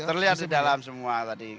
terlihat di dalam semua tadi